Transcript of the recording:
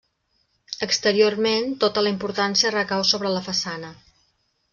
Exteriorment tota la importància recau sobre la façana.